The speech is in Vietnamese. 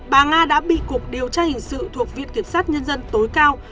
bà nga đã bị cục điều tra hình sự thuộc viện kiểm sát nhân dân tối cao